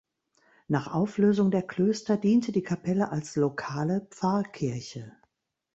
Nach Auflösung der Klöster diente die Kapelle als lokale Pfarrkirche.